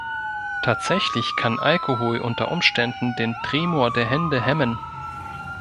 Tatsächlich kann Alkohol unter Umständen den Tremor der Hände hemmen.